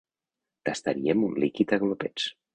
Tastaríem un líquid a glopets.